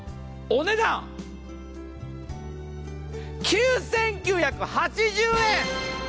お値段、９９８０円！